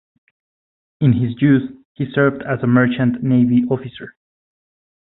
In his youth he served as a merchant navy officer.